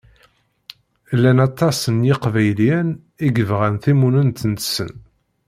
Llan aṭas n Iqbayliyen i yebɣan timunent-nsen.